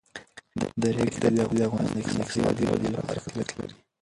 د ریګ دښتې د افغانستان د اقتصادي ودې لپاره ارزښت لري.